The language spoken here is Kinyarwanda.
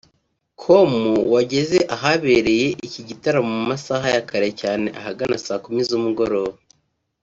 com wageze ahabereye iki gitaramo mu masaha ya kare cyane ahagana saa kumi z’umugoroba